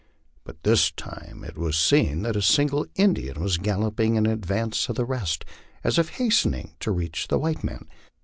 By this time it was seen that a single Indian was galloping in advance of the rest, as if hastening to reach the white men.